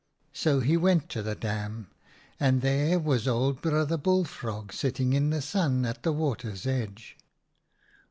So he went to the dam, and there was old Brother Bullfrog sitting in the sun at the water's edge.